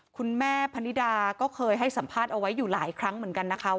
คุณแม่พนิดาก็เคยให้สัมภาษณ์เอาไว้อยู่หลายครั้งเหมือนกันนะคะ